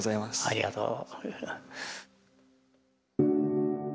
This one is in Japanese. ありがとう。